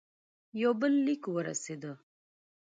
یو بل لیک ورسېدی.